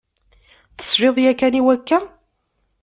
Tesliḍ yakan i wakka?